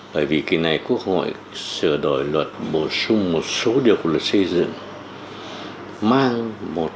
bởi vì kỳ này quốc hội sửa đổi luật bổ sung một số điều của luật xây dựng mang một nội dung yêu cầu sau năm năm rất là cấp bách phục vụ cho nhiệm vụ sắp tới